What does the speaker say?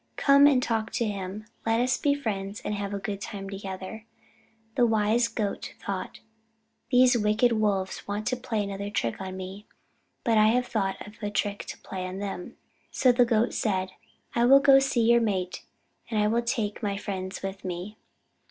Come and talk to him. Let us be friends and have a good time together." The wise Goat thought: "These wicked Wolves want to play another trick on me. But I have thought of a trick to play on them." So the Goat said: "I will go to see your mate, and I will take my friends with me.